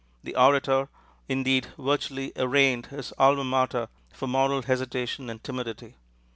The orator, indeed, virtually arraigned his alma mater for moral hesitation and timidity.